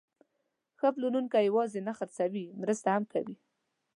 ښه پلورونکی یوازې نه خرڅوي، مرسته هم کوي.